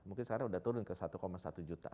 mungkin sekarang sudah turun ke satu satu juta